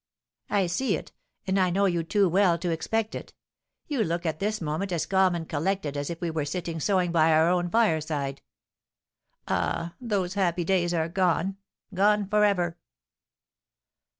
"I see it, and I know you too well to expect it. You look at this moment as calm and collected as if we were sitting sewing by our own fireside. Ah! those happy days are gone, gone forever!"